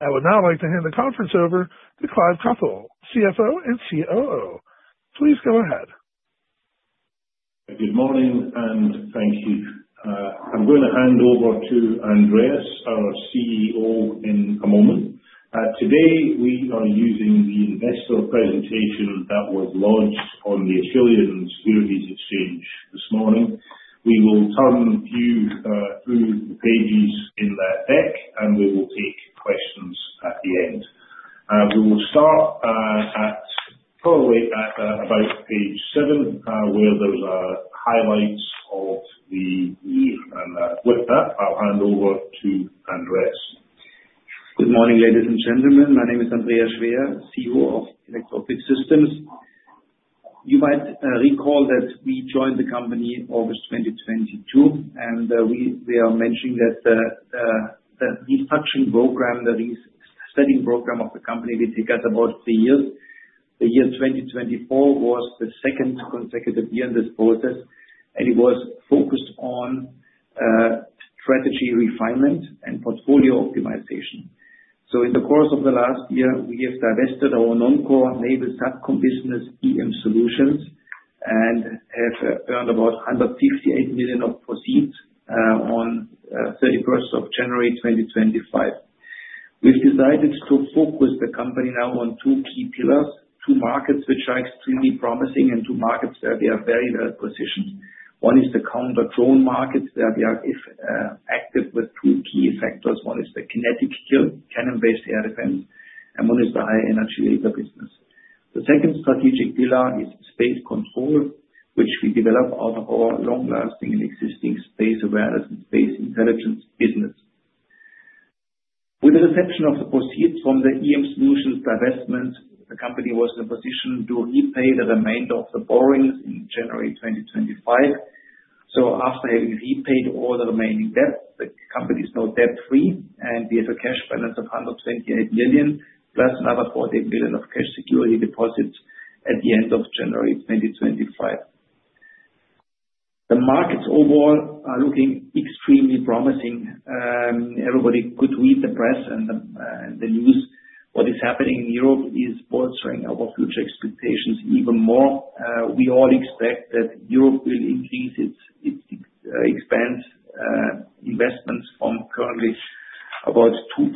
I would now like to hand the conference over to Clive Cuthell, CFO and COO. Please go ahead. Good morning, and thank you. I'm going to hand over to Andreas, our CEO, in a moment. Today we are using the Investor Presentation that was launched on the Australian Securities Exchange this morning. We will walk you through the pages in that deck, and we will take questions at the end. We will start probably at about page seven, where there are highlights of the year. And with that, I'll hand over to Andreas. Good morning, ladies and gentlemen. My name is Andreas Schwer, CEO of Electro Optic Systems. You might recall that we joined the company in August 2022, and we are mentioning that the restructuring program, the resetting program of the company, we took out about three years. The year 2024 was the second consecutive year in this process, and it was focused on strategy refinement and portfolio optimization. So in the course of the last year, we have divested our non-core naval Satcom business, EM Solutions, and have earned about 158 million of proceeds on 31st of January 2025. We've decided to focus the company now on two key pillars, two markets which are extremely promising, and two markets where we are very well positioned. One is the counter-drone market, where we are active with two key sectors. One is the kinetic kill, cannon-based air defense, and one is the high-energy laser business. The second strategic pillar is space control, which we develop out of our long-lasting and existing space awareness and space intelligence business. With the reception of the proceeds from the EM Solutions divestment, the company was in a position to repay the remainder of the borrowings in January 2025. So after having repaid all the remaining debt, the company is now debt-free, and we have a cash balance of 128 million, plus another 40 million of cash security deposits at the end of January 2025. The markets overall are looking extremely promising. Everybody could read the press and the news. What is happening in Europe is bolstering our future expectations even more. We all expect that Europe will increase its defense investments from currently about 2%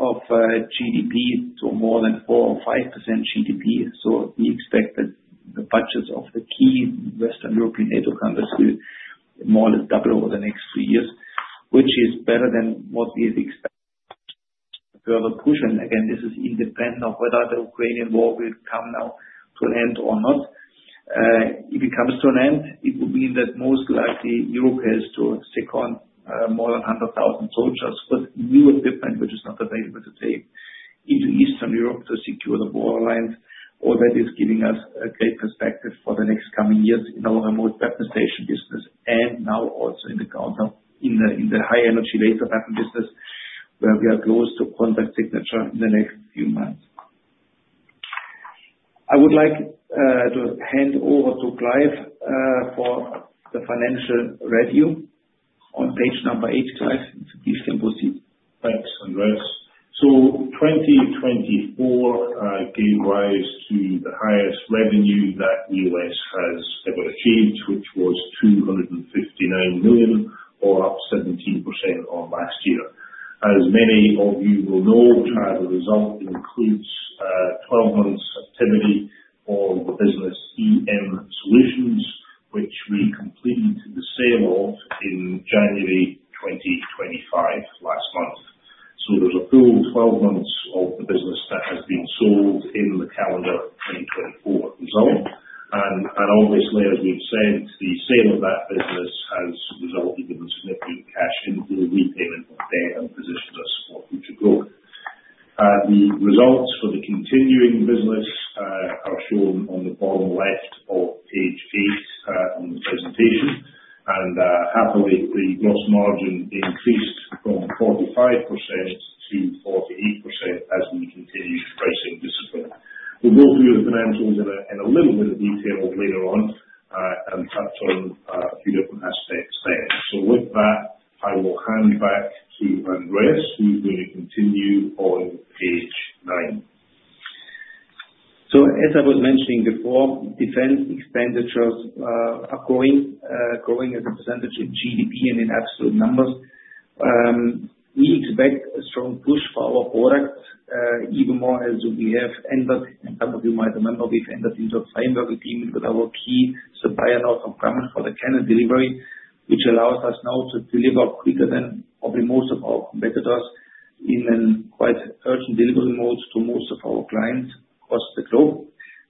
of GDP to more than 4% or 5% GDP. So we expect that the budgets of the key Western European NATO countries will more or less double over the next three years, which is better than what we have expected. Further push, and again, this is independent of whether the Ukrainian war will come now to an end or not. If it comes to an end, it would mean that most likely Europe has to station more than 100,000 soldiers with new equipment, which is not available today, into Eastern Europe to secure the borderlines. All that is giving us a great perspective for the next coming years in our remote weapon station business, and now also in the high-energy laser weapon business, where we are close to contract signature in the next few months. I would like to hand over to Clive for the financial review on page number 85. Please can proceed. Thanks, Andreas. So 2024 gave rise to the highest revenue that EOS has ever achieved, which was 259 million, or up 17% on last year. As many of you will know, the result includes 12 months activity for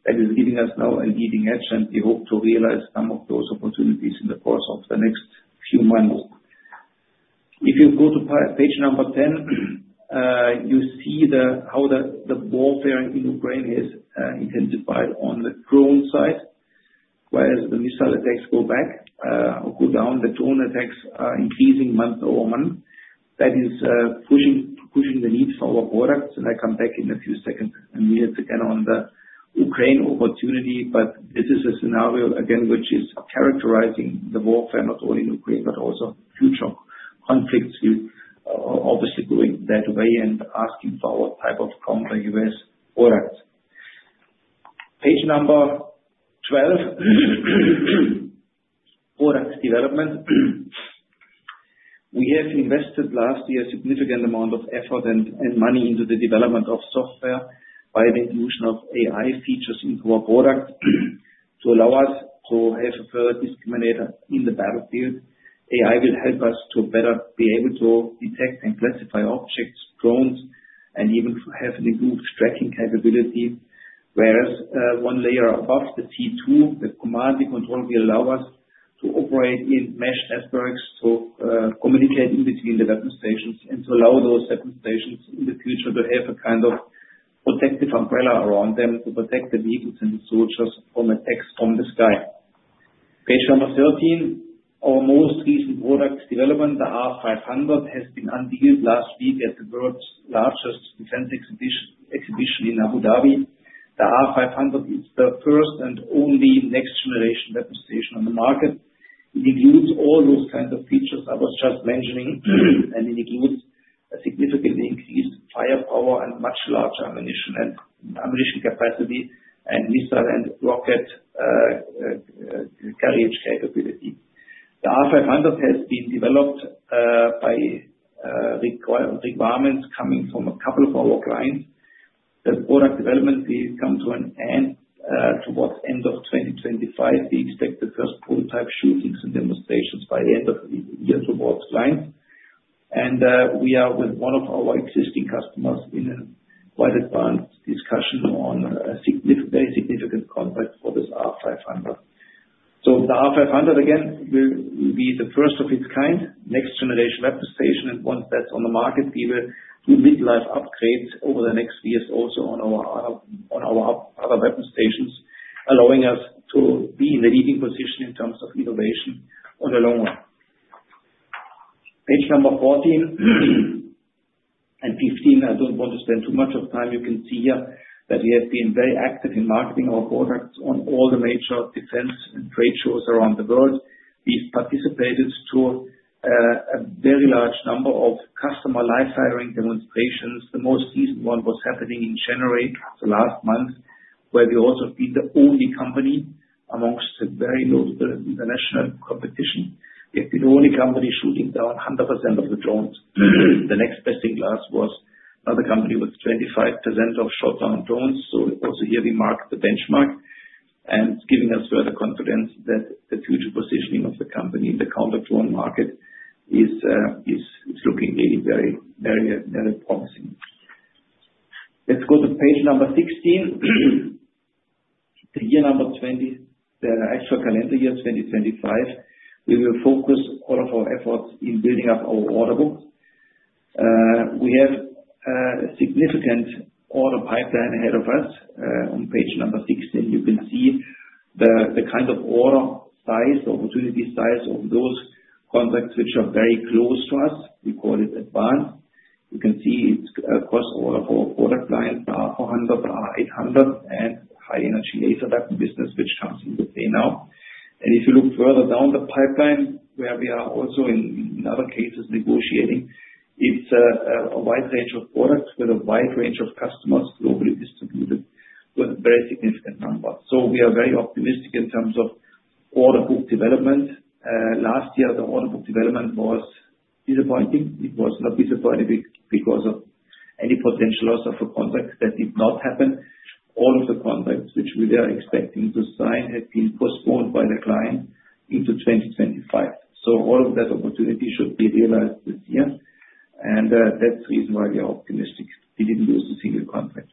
That is giving us now a leading edge, and we hope to realize some of those opportunities in the course of the next few months. If you go to page number 10, you see how the warfare in Ukraine has intensified on the drone side, whereas the missile attacks go back or go down. The drone attacks are increasing month over month. That is pushing the need for our products, and I come back in a few seconds and minutes again on the Ukraine opportunity. But this is a scenario, again, which is characterizing the warfare, not only in Ukraine, but also future conflicts. We are obviously going that way and asking for what type of counter-UAS products. Page number 12, product development. We have invested last year a significant amount of effort and money into the development of software by the inclusion of AI features into our product to allow us to have a further discriminator in the battlefield. AI will help us to better be able to detect and classify objects, drones, and even have an improved tracking capability, whereas one layer above the C2, the command and control, will allow us to operate in mesh networks to communicate in between the weapon stations and to allow those weapon stations in the future to have a kind of protective umbrella around them to protect the vehicles and the soldiers from attacks from the sky. Page number 13, our most recent product development, the R500, has been unveiled last week at the world's largest defense exhibition in Abu Dhabi. The R500 is the first and only next-generation weapon station on the market. It includes all those kinds of features I was just mentioning, and it includes a significantly increased firepower and much larger ammunition capacity and missile and rocket carriage capability. The R500 has been developed by requirements coming from a couple of our clients. The product development will come to an end towards the end of 2025. We expect the first prototype shootings and demonstrations by the end of the year to both clients, and we are with one of our existing customers in a quite advanced discussion on a very significant contract for this R500, so the R500, again, will be the first of its kind, next-generation weapon station, and once that's on the market, we will do mid-life upgrades over the next years also on our other weapon stations, allowing us to be in the leading position in terms of innovation on the long run. Page number 14 and 15, I don't want to spend too much time. You can see here that we have been very active in marketing our products at all the major defense and trade shows around the world. We've participated in a very large number of customer live-firing demonstrations. The most recent one was happening in January the last month, where we were also the only company among the very notable international competition. We have been the only company shooting down 100% of the drones. The next best in class was another company with 25% of shot-down drones. So also here, we marked the benchmark and giving us further confidence that the future positioning of the company in the counter-drone market is looking really very promising. Let's go to page number 16. In 2025, the actual calendar year 2025, we will focus all of our efforts in building up our order books. We have a significant order pipeline ahead of us. On page number 16, you can see the kind of order size, the opportunity size of those contracts which are very close to us. We call it advanced. You can see it's a cross-order for product line, R400, R800, and high-energy laser weapon business, which comes into play now. And if you look further down the pipeline, where we are also in other cases negotiating, it's a wide range of products with a wide range of customers globally distributed with a very significant number. So we are very optimistic in terms of order book development. Last year, the order book development was disappointing. It was not disappointing because of any potential loss of a contract that did not happen. All of the contracts which we were expecting to sign had been postponed by the client into 2025. So all of that opportunity should be realized this year. That's the reason why we are optimistic. We didn't lose a single contract.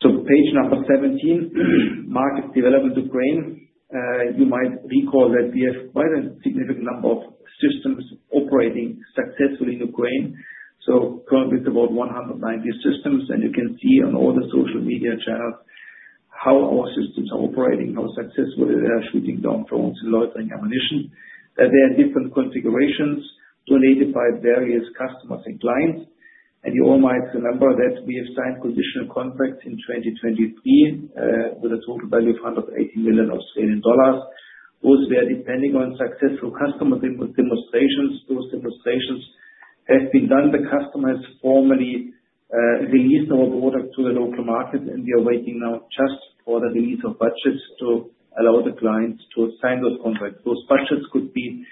Page 17, Market Development Ukraine. You might recall that we have quite a significant number of systems operating successfully in Ukraine. Currently, it's about 190 systems. You can see on all the social media channels how our systems are operating, how successful they are shooting down drones and loitering ammunition. There are different configurations donated by various customers and clients. You all might remember that we have signed conditional contracts in 2023 with a total value of 180 million Australian dollars. Those were depending on successful customer demonstrations. Those demonstrations have been done. The customer has formally released our product to the local market, and we are waiting now just for the release of budgets to allow the clients to sign those contracts. Those budgets could be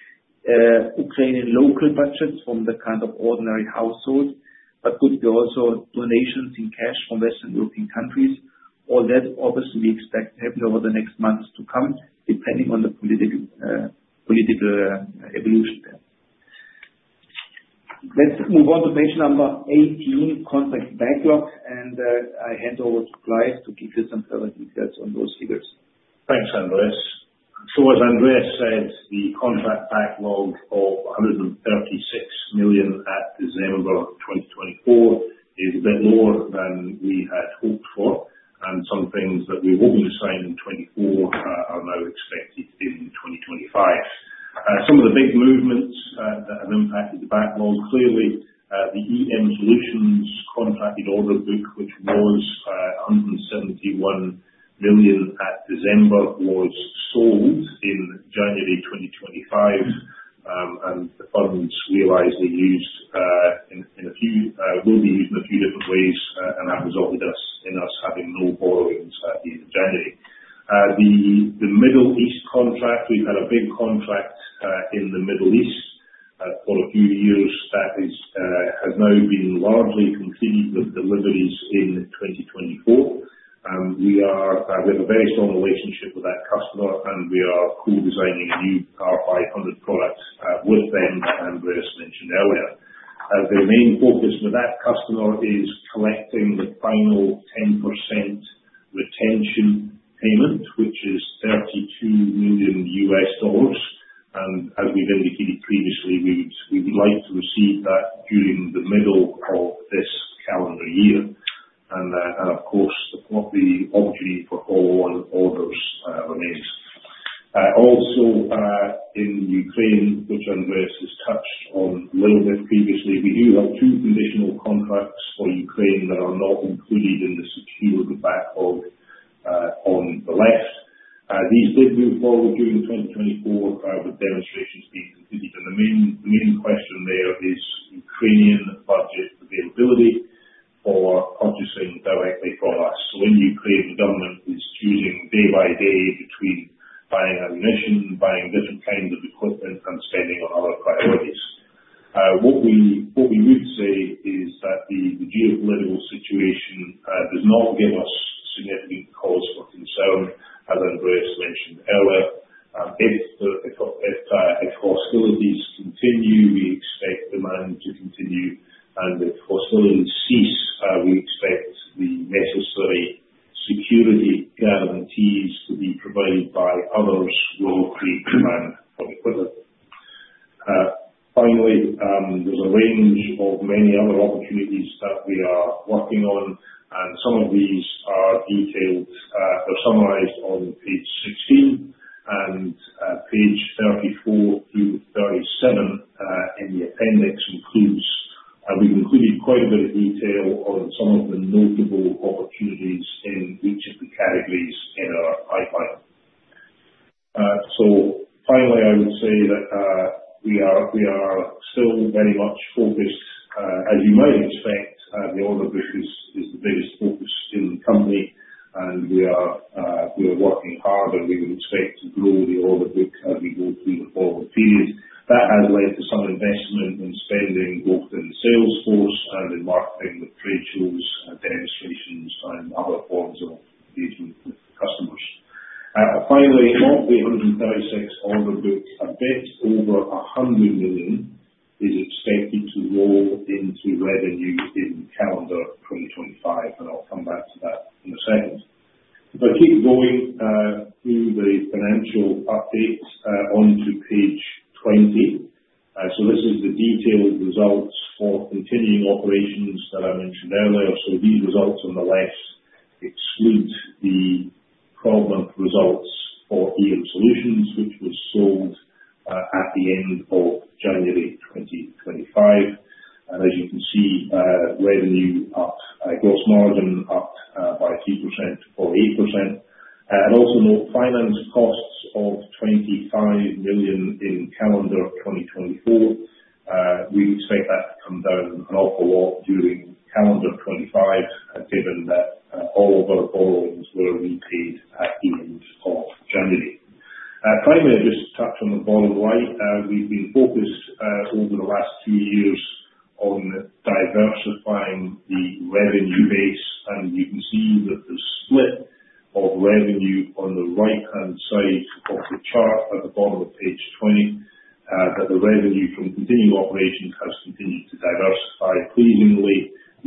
Ukrainian local budgets from the kind of ordinary household, but could be also donations in cash from Western European countries. All that, obviously, we expect to happen over the next months to come, depending on the political evolution there. Let's move on to page number 18, contract backlog. And I hand over to Clive to give you some further details on those figures. Thanks, Andreas. So as Andreas said, the contract backlog of 136 million at December 2024 is a bit lower than we had hoped for. And some things that we were hoping to sign in 2024 are now expected in 2025. Some of the big movements that have impacted the backlog, clearly, the EM Solutions contracted order book, which was 171 million at December, was sold in January 2025. And the funds realized, they'll be used in a few different ways, and that resulted in us having no borrowings at the end of January. The Middle East contract, we've had a big contract in the Middle East for a few years that has now been largely completed with deliveries in 2024. We have a very strong relationship with that customer, and we are co-designing a new R500 product with them, Andreas mentioned earlier. The main focus with that customer is collecting the final 10% retention payment, which is $32 million. And as we've indicated previously, we would like to receive that during the middle of this calendar year. And of course, the opportunity for follow-on orders remains. Also, in Ukraine, which Andreas has touched on a little bit previously, we do have two conditional contracts for Ukraine that are not included in the secured backlog on the left. These did move forward during 2024 with demonstrations being completed. And the main question there is Ukrainian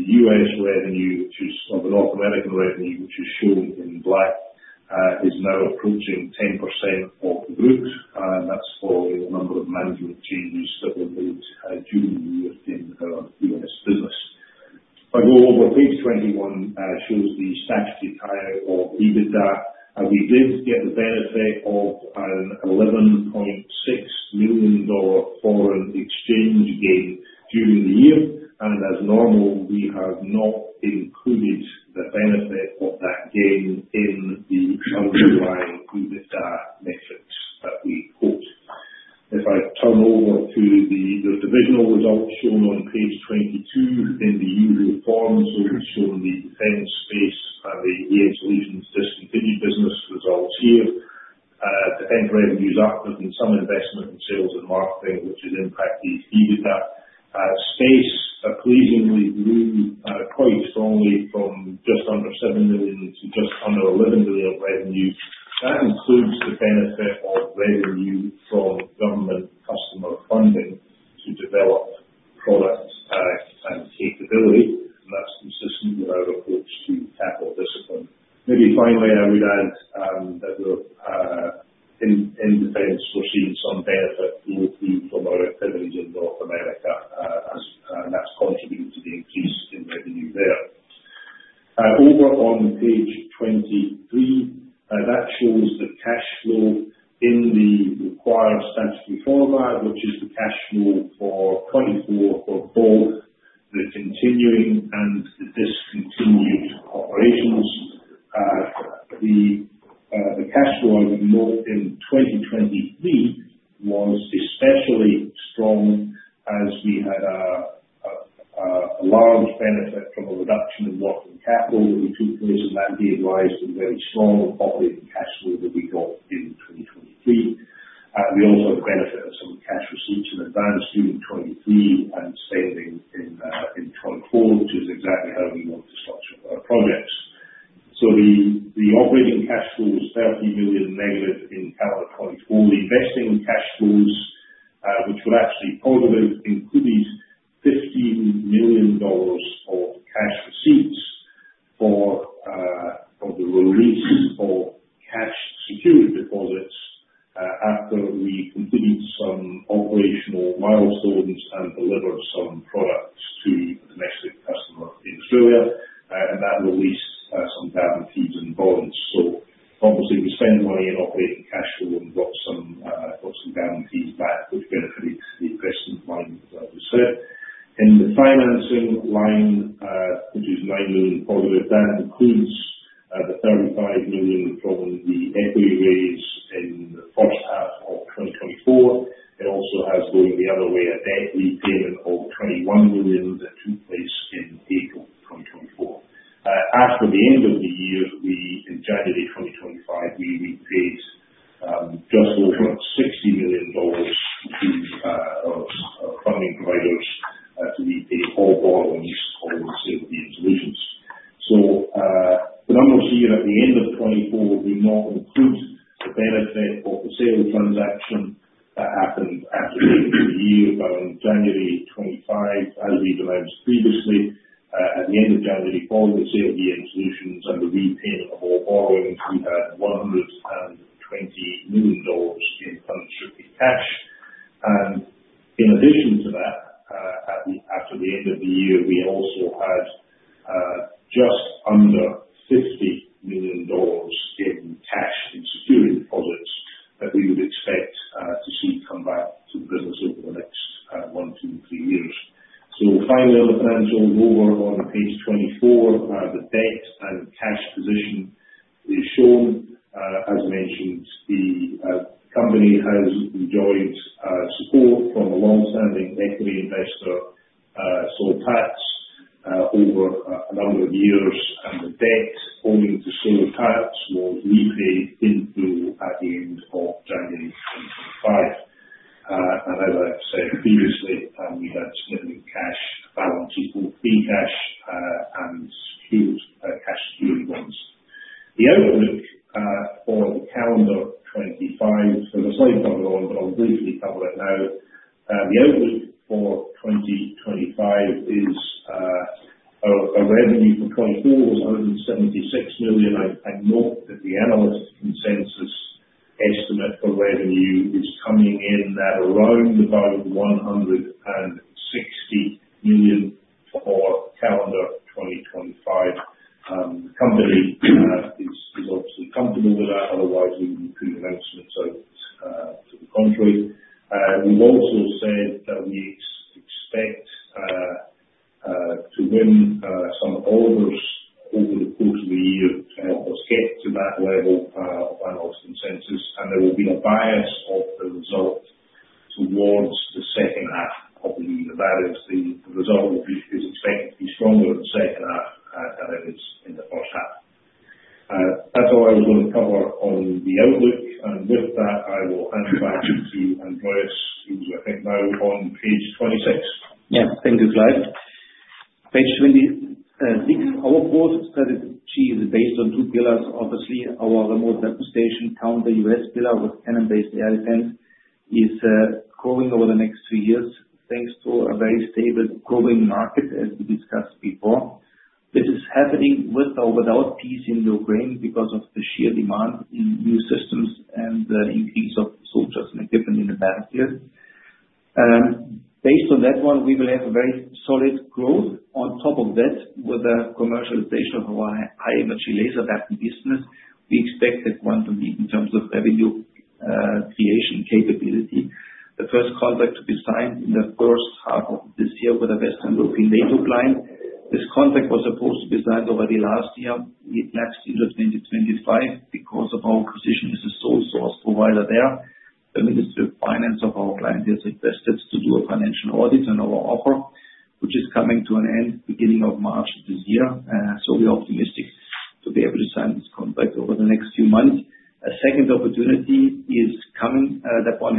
The US revenue, which is from the Americas revenue, which is shown in black, is now approaching 10% of the group. And that's following a number of management changes that were made during the Europe and US business. If I go over page 21, it shows the status of higher EBITDA. We did get the benefit of an AUD 11.6 million foreign exchange gain during the year. As normal, we have not included the benefit of that gain in the underlying EBITDA metrics that we quote. If I turn over to the divisional results shown on page 22 in the usual form, so it's shown the defense, space and the EM Solutions discontinued business results here. Defense revenue is up with some investment in sales and marketing, which has impacted EBITDA. Space pleasingly grew quite strongly from just under 7 million to just under 11 million revenue. That includes the benefit of revenue from government customer funding to develop product and capability. And that's consistent with our approach to capital discipline. Maybe finally, I would add that in defense, we're seeing some benefit locally from our activities in North America, and that's contributed to the increase in revenue there. Over on page 23, that shows the cash flow in the required statutory format, which is the cash flow for 2024 for both the continuing and the discontinued operations. The cash flow in 2023 was especially strong as we had a large benefit from a reduction in working capital that took place, and that gave rise to a very strong operating cash flow that we got in 2023. We also benefited from cash receipts in advance during 2023 and spending in 2024, million in cash and security deposits that we would expect to see come back to the business over the next one, two, three years. So finally, on the financials over on page 24, the debt and cash position is shown. As mentioned, the company has enjoyed support from a long-standing equity investor, Washington H. Soul Pattinson, over a number of years. And the debt owing to Washington H. Soul Pattinson was repaid in full at the end of January 2025. And as I've said previously, we had significant cash balance equal to free cash and secured cash and security bonds. The outlook for the calendar 2025, so the slide's come along, but I'll briefly cover it now. The outlook for 2025 is a revenue for 2024 was $176 million. I note that the analyst consensus estimate for revenue is coming in at around about 160 million for calendar 2025. The company is obviously comfortable with that. Otherwise, we would include announcements of it to the contrary. We've also said that we expect to win some orders over the course of the year to help us get to that level of analyst consensus. And there will be a bias of the result towards the second half of the year. That is, the result is expected to be stronger in the second half than it is in the first half. That's all I was going to cover on the outlook. And with that, I will hand back to Andreas, who's, I think, now on page 26. Yeah, thank you, Clive. Page 26, our growth strategy is based on two pillars. Obviously, our remote deployment counter-drone pillar with cannon-based air defense is growing over the next few years thanks to a very stable growing market, as we discussed before. This is happening with or without peace in Ukraine because of the sheer demand in new systems and the increase of soldiers and equipment in the battlefield. Based on that one, we will have a very solid growth. On top of that, with the commercialization of our high-energy laser weaponry business, we expect that one to match in terms of revenue creation capability. The first contract to be signed in the first half of this year with the Western European defense client. This contract was supposed to be signed already last year. It lapsed into 2025 because of our position as a sole source provider there. The Ministry of Finance of our client has requested to do a financial audit on our offer, which is coming to an end beginning of March this year, so we're optimistic to be able to sign this contract over the next few months. A second opportunity is coming. That one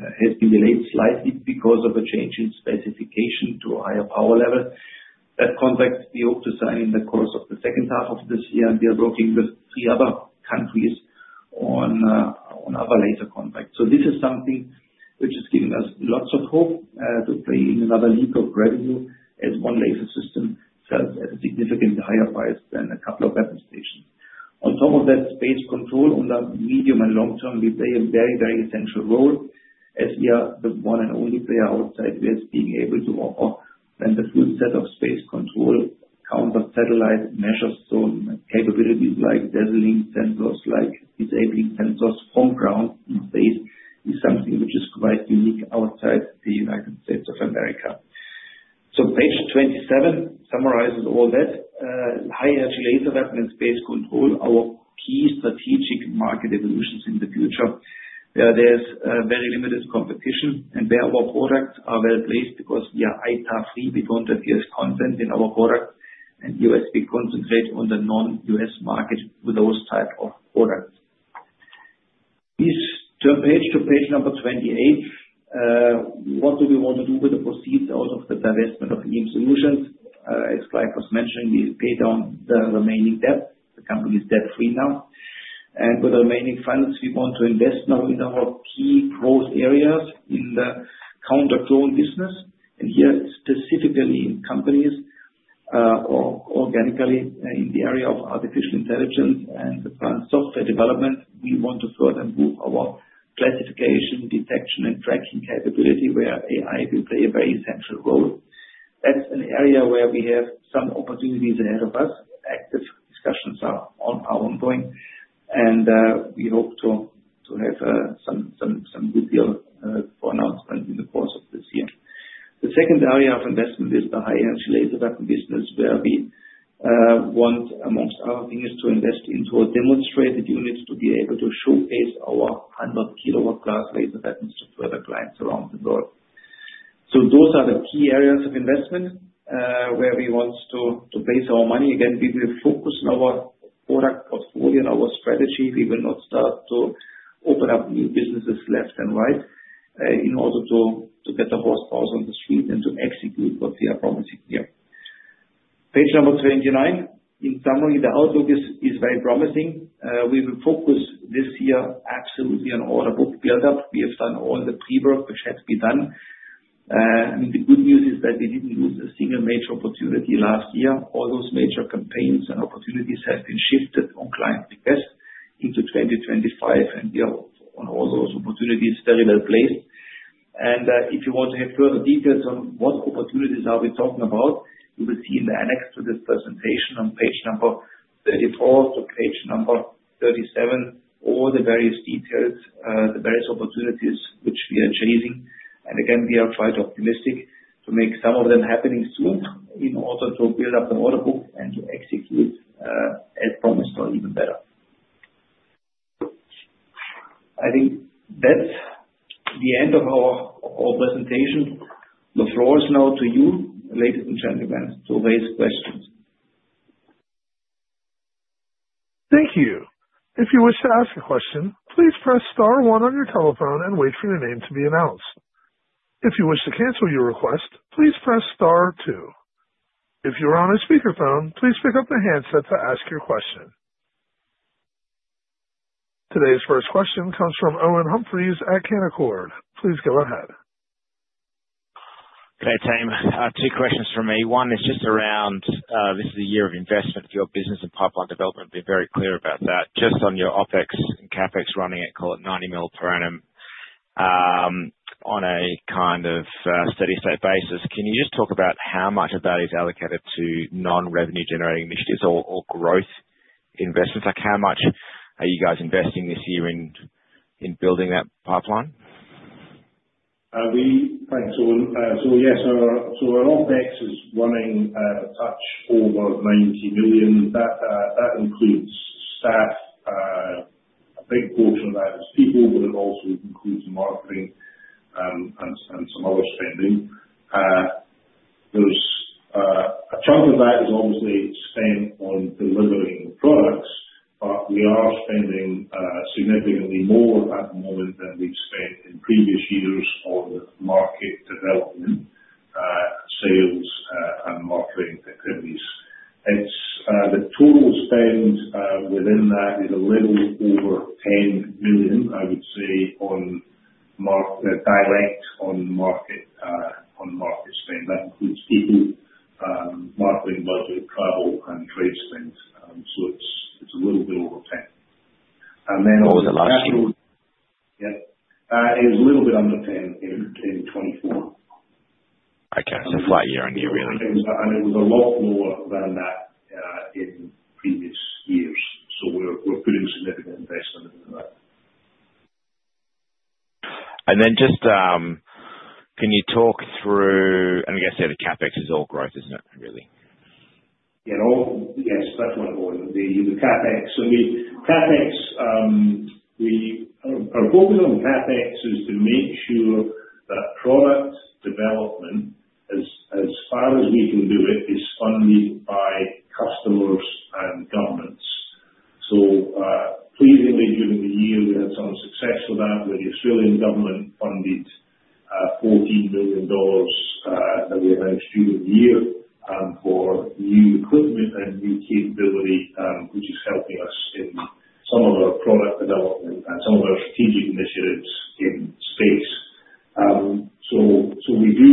has been delayed slightly because of a change in specification to a higher power level. That contract, we hope to sign in the course of the second half of this year, and we are working with three other countries on other laser contracts, so this is something which is giving us lots of hope to play in another league of revenue as one laser system sells at a significantly higher price than a couple of weapon stations. On top of that, space control on the medium and long term, we play a very, very essential role as we are the one and only player outside the US being able to offer a full set of space control counter-satellite measures. So capabilities like designing sensors, like disabling sensors from ground in space, is something which is quite unique outside the United States of America. So page 27 summarizes all that. High-Energy Laser Weapon and space control, our key strategic market evolutions in the future where there's very limited competition and where our products are well placed because we are ITAR-free. We don't have US content in our product. And US, we concentrate on the non-US market with those types of products. Page 28, what do we want to do with the proceeds out of the divestment of EM Solutions? As Clive was mentioning, we pay down the remaining debt. The company is debt-free now, and with the remaining funds, we want to invest now in our key growth areas in the counter-drone business, and here, specifically in companies or organically in the area of artificial intelligence and the software development, we want to further improve our classification, detection, and tracking capability where AI will play a very essential role. That's an area where we have some opportunities ahead of us. Active discussions are ongoing, and we hope to have some good deal for announcement in the course of this year. The second area of investment is the high-energy laser weapon business, where we want, among other things, to invest into a demonstrated unit to be able to showcase our 100-kilowatt-class laser weapons to further clients around the world. Those are the key areas of investment where we want to place our money. Again, we will focus on our product portfolio and our strategy. We will not start to open up new businesses left and right in order to get the horsepower on the street and to execute what we are promising here. Page 29, in summary, the outlook is very promising. We will focus this year absolutely on order book build-up. We have done all the pre-work, which had to be done, and the good news is that we didn't lose a single major opportunity last year. All those major campaigns and opportunities have been shifted on client request into 2025, and we are on all those opportunities very well placed, and if you want to have further details on what opportunities are we talking about, you will see in the annex to this presentation on page 34 to page 37, all the various details, the various opportunities which we are chasing. And again, we are quite optimistic to make some of them happening soon in order to build up the order book and to execute as promised or even better. I think that's the end of our presentation. The floor is now to you, ladies and gentlemen, to raise questions. Thank you. If you wish to ask a question, please press Star 1 on your telephone and wait for your name to be announced. If you wish to cancel your request, please press Star 2. If you are on a speakerphone, please pick up the handset to ask your question. Today's first question comes from Owen Humphries at Canaccord Genuity. Please go ahead. Okay, Tim. Two questions for me. One is just around this is a year of investment for your business and pipeline development. Be very clear about that. Just on your OpEx and CapEx running, I call it 90 million per annum on a kind of steady-state basis. Can you just talk about how much of that is allocated to non-revenue-generating initiatives or growth investments? How much are you guys investing this year in building that pipeline? Thanks, Owen. So yes, our OpEx is running just over 90 million. That includes staff. A big portion of that is people, but it also includes marketing and some other spending. A chunk of that is obviously spent on delivering the products, but we are spending significantly more at the moment than we've spent in previous years on market development, sales, and marketing activities. The total spend within that is a little over 10 million, I would say, on direct on market spend. That includes people, marketing budget, travel, and trade spend. So it's a little bit over 10. And then. What was the last year? Yeah. It was a little bit under 10 in 2024. Okay. So, slight year on year, really. And it was a lot lower than that in previous years. So we're putting significant investment into that. And then just can you talk through, and I guess the other CapEx is all growth, isn't it, really? Yes, that's what I'm calling the CapEx. So we are focusing on CapEx, is to make sure that product development, as far as we can do it, is funded by customers and governments. So, pleasingly, during the year, we had some success with that, where the Australian government funded 14 million dollars that we announced during the year for new equipment and new capability, which is helping us in some of our product development and some of our strategic initiatives in space. So we do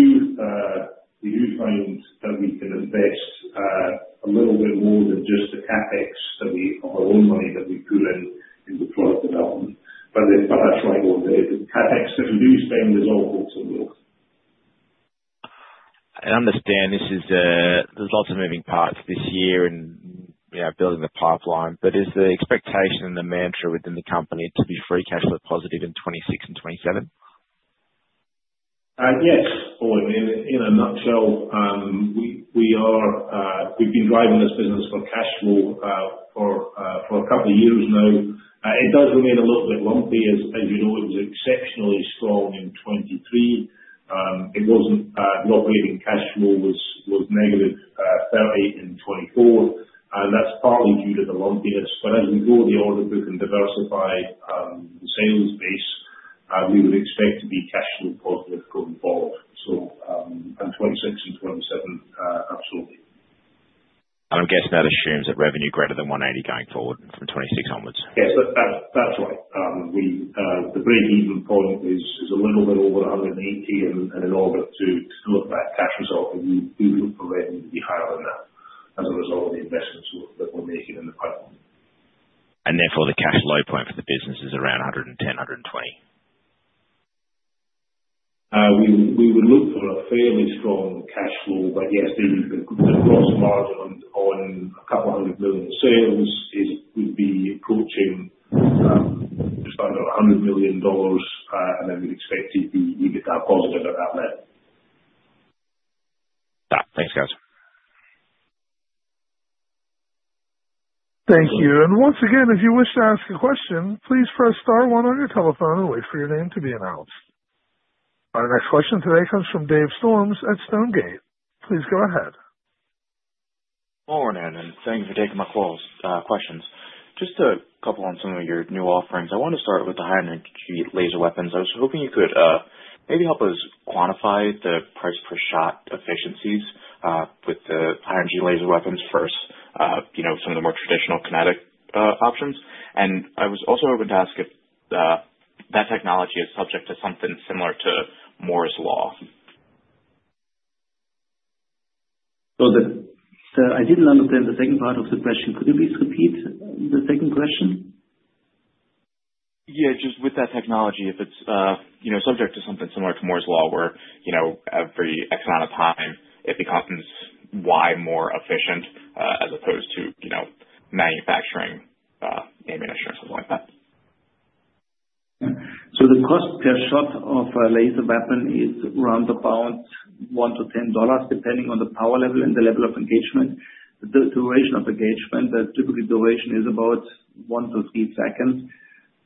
find that we can invest a little bit more than just the CapEx of our own money that we put in the product development. But that's right. The CapEx that we do spend is all growth and growth. I understand there's lots of moving parts this year in building the pipeline, but is the expectation and the mantra within the company to be free cash flow positive in 2026 and 2027? Yes, Owen. In a nutshell, we've been driving this business for cash flow for a couple of years now. It does remain a little bit lumpy. As you know, it was exceptionally strong in 2023. The operating cash flow was negative 30 in 2024. And that's partly due to the lumpiness. But as we grow the order book and diversify the sales base, we would expect to be cash flow positive going forward. So in 2026 and 2027, absolutely. I'm guessing that assumes that revenue is greater than 180 going forward from 2026 onwards. Yes, that's right. The break-even point is a little bit over 180, and in order to look at that cash result, we would look for revenue to be higher than that as a result of the investments that we're making in the pipeline. Therefore, the cash low point for the business is around 110-120? We would look for a fairly strong cash flow. But yes, the gross margin on a couple of hundred million sales would be approaching just under 100 million dollars. And then we'd expect to even get that positive at that level. Thanks, guys. Thank you. And once again, if you wish to ask a question, please press Star 1 on your telephone and wait for your name to be announced. Our next question today comes from Dave Storms at Stonegate. Please go ahead. Morning, and thanks for taking my questions. Just a couple on some of your new offerings. I want to start with the high-energy laser weapons. I was hoping you could maybe help us quantify the price per shot efficiencies with the high-energy laser weapons versus some of the more traditional kinetic options. And I was also hoping to ask if that technology is subject to something similar to Moore's Law. So I didn't understand the second part of the question. Could you please repeat the second question? Yeah, just with that technology, if it's subject to something similar to Moore's Law, where every X amount of time, it becomes Y more efficient as opposed to manufacturing ammunition or something like that. The cost per shot of a laser weapon is around about $1-$10, depending on the power level and the level of engagement. The duration of engagement, the typical duration is about 1-3 seconds.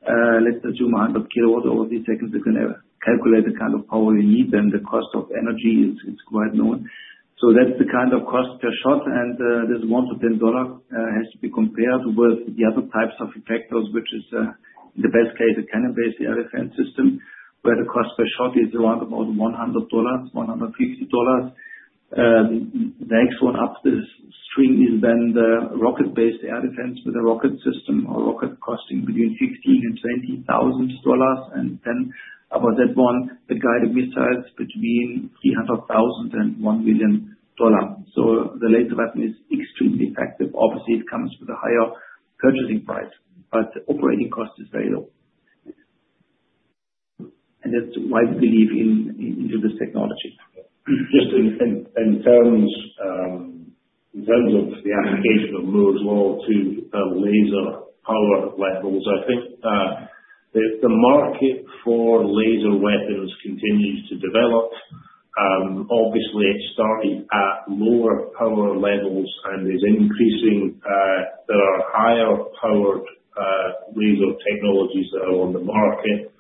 Let's assume 100 kilowatts over 3 seconds. We can calculate the kind of power you need. And the cost of energy is quite known. So that's the kind of cost per shot. And this $1-$10 has to be compared with the other types of factors, which is, in the best case, a cannon-based air defense system, where the cost per shot is around about $100-$150. The next one up the string is then the rocket-based air defense with a rocket system or rocket costing between $15,000 and $20,000. And then above that one, the guided missiles between $300,000 and $1,000,000. The laser weapon is extremely effective. Obviously, it comes with a higher purchasing price, but the operating cost is very low. That's why we believe in this technology. Just in terms of the application of Moore's Law to laser power levels, I think the market for laser weapons continues to develop. Obviously, it started at lower power levels, and there are higher powered laser technologies that are on the market.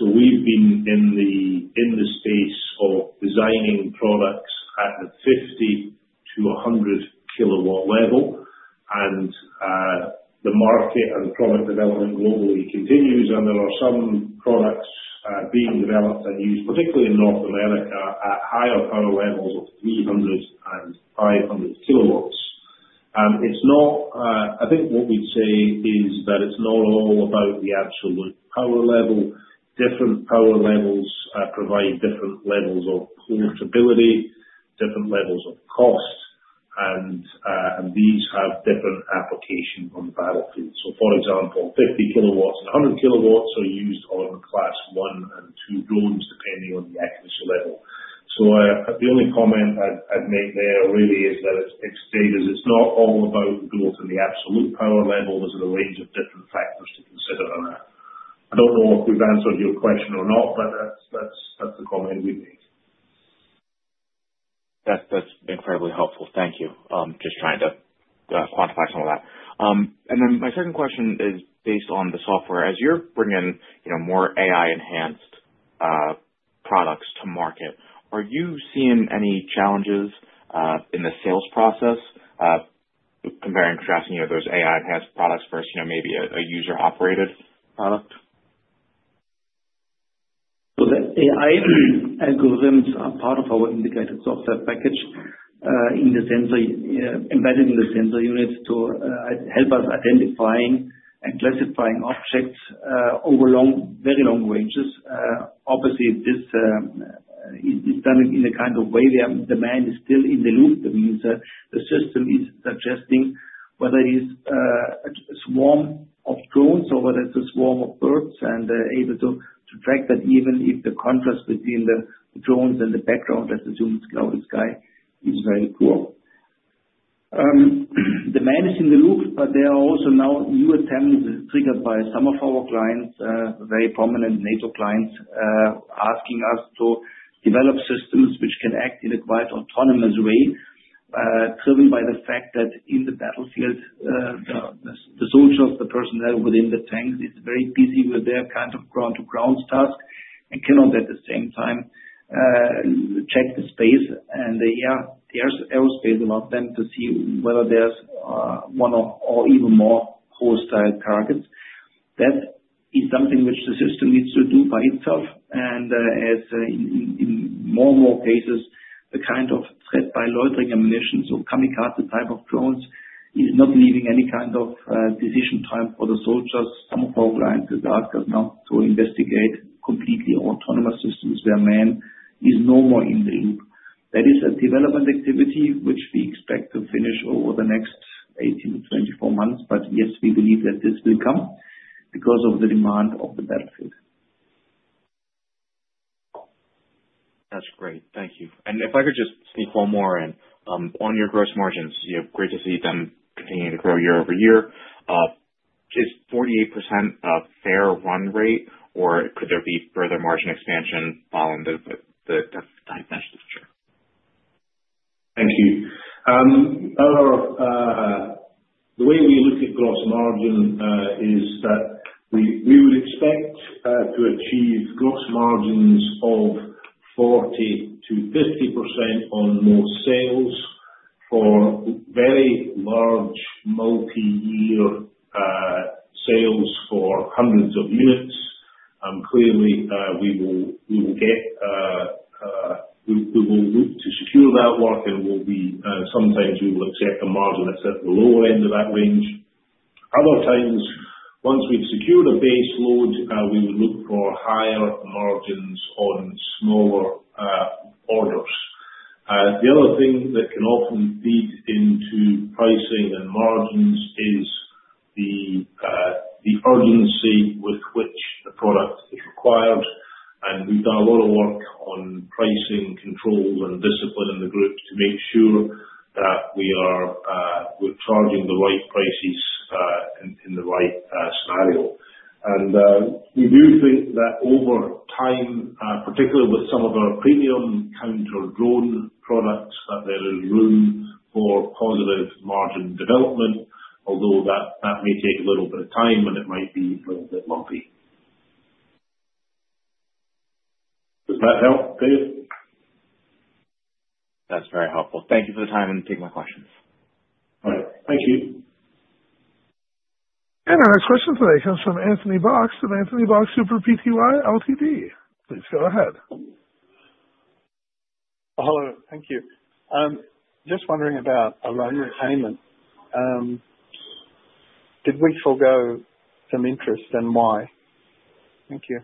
We've been in the space of designing products at the 50-100 kilowatt level. The market and product development globally continues. There are some products being developed and used, particularly in North America, at higher power levels of 300-500 kilowatts. I think what we'd say is that it's not all about the absolute power level. Different power levels provide different levels of portability, different levels of cost, and these have different applications on the battlefield. For example, 50 kilowatts and 100 kilowatts are used on class one and two drones, depending on the accuracy level. The only comment I'd make there really is that it's, Dave, it's not all about the growth and the absolute power level. There's a range of different factors to consider on that. I don't know if we've answered your question or not, but that's the comment we made. That's been incredibly helpful. Thank you. Just trying to quantify some of that, and then my second question is based on the software. As you're bringing more AI-enhanced products to market, are you seeing any challenges in the sales process comparing to selling those AI-enhanced products versus maybe a user-operated product? The AI algorithms are part of our integrated software package embedded in the sensor units to help us identify and classify objects over very long ranges. Obviously, this is done in a kind of way where the man is still in the loop. That means the system is suggesting whether it is a swarm of drones or whether it's a swarm of birds and able to track that even if the contrast between the drones and the background, let's assume it's cloudy sky, is very poor. The man is in the loop, but there are also now new attempts triggered by some of our clients, very prominent NATO clients, asking us to develop systems which can act in a quite autonomous way, driven by the fact that in the battlefield, the soldiers, the personnel within the tanks is very busy with their kind of ground-to-ground task and cannot, at the same time, check the space, and there's airspace above them to see whether there's one or even more hostile targets. That is something which the system needs to do by itself, and in more and more cases, the kind of threat by loitering ammunition, so kamikaze type of drones, is not leaving any kind of decision time for the soldiers. Some of our clients have asked us now to investigate completely autonomous systems where man is no more in the loop. That is a development activity which we expect to finish over the next 18-24 months. But yes, we believe that this will come because of the demand of the battlefield. That's great. Thank you. And if I could just sneak one more in. On your gross margins, it's great to see them continuing to grow year over year. Is 48% a fair run rate, or could there be further margin expansion following the time to market the future? Thank you. The way we look at gross margin is that we would expect to achieve gross margins of 40%-50% on more sales for very large multi-year sales for hundreds of units. Clearly, we will look to secure that work, and sometimes we will accept a margin that's at the lower end of that range. Other times, once we've secured a base load, we would look for higher margins on smaller orders. The other thing that can often feed into pricing and margins is the urgency with which the product is required. We've done a lot of work on pricing control and discipline in the group to make sure that we're charging the right prices in the right scenario. And we do think that over time, particularly with some of our premium counter-drone products, that there is room for positive margin development, although that may take a little bit of time and it might be a little bit lumpy. Does that help, Dave? That's very helpful. Thank you for the time and taking my questions. All right. Thank you. Our next question today comes from Anthony Box from Anthony Box Super Pty Ltd. Please go ahead. Hello. Thank you. Just wondering about a loan repayment. Did we forego some interest and why? Thank you.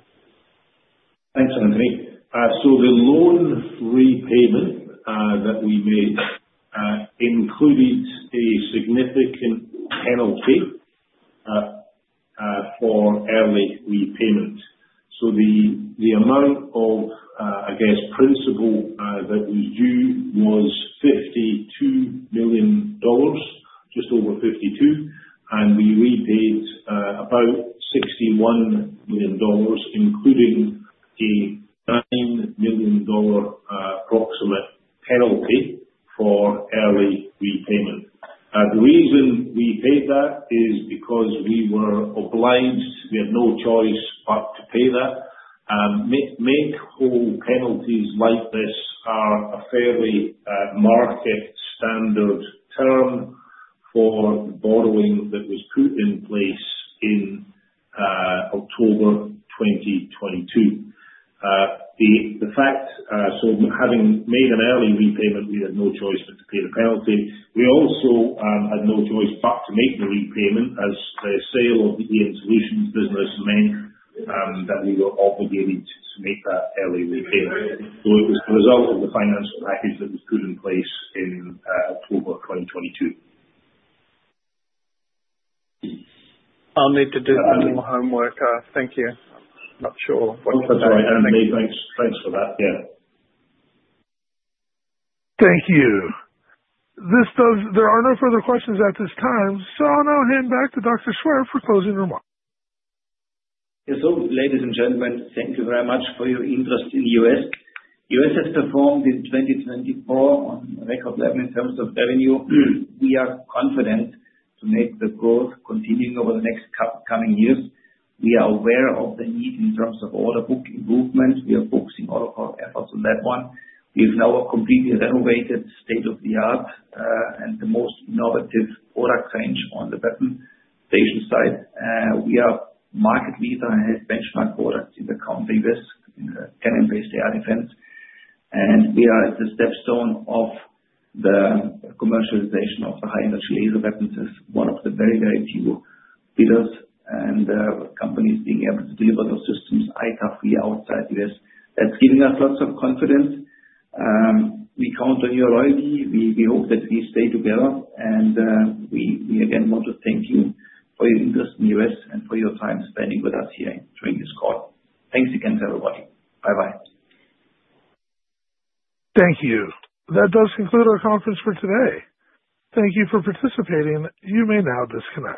Thanks, Anthony. So the loan repayment that we made included a significant penalty for early repayment. So the amount of, I guess, principal that was due was 52 million dollars, just over 52. And we repaid about 61 million dollars, including an approximate 9 million dollar penalty for early repayment. The reason we paid that is because we were obliged. We had no choice but to pay that. Make-whole penalties like this are a fairly market standard term for the borrowing that was put in place in October 2022. So having made an early repayment, we had no choice but to pay the penalty. We also had no choice but to make the repayment as the sale of the EM Solutions business meant that we were obligated to make that early repayment. So it was the result of the financial package that was put in place in October 2022. I'll need to do some more homework. Thank you. I'm not sure what to expect. That's right. Anthony, thanks for that. Yeah. Thank you. There are no further questions at this time. So I'll now hand back to Dr. Schwer for closing remarks. Yes, so, ladies and gentlemen, thank you very much for your interest in EOS. EOS has performed in 2024 at a record level in terms of revenue. We are confident to make the growth continuing over the next coming years. We are aware of the need in terms of order book improvement. We are focusing all of our efforts on that one. We have now a completely renovated, state-of-the-art and the most innovative product range on the weapon station side. We are the market leader and have benchmark products in the country with cannon-based air defense, and we are at the stepping stone of the commercialization of the high-energy laser weapons. It is one of the very, very few leaders and companies being able to deliver those systems ITAR-free outside the US. That is giving us lots of confidence. We count on your loyalty. We hope that we stay together. We, again, want to thank you for your interest in the US and for your time spending with us here during this call. Thanks again to everybody. Bye-bye. Thank you. That does conclude our conference for today. Thank you for participating. You may now disconnect.